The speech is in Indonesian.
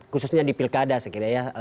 khususnya di pilkada saya kira ya